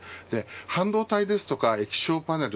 半導体ですとか液晶パネル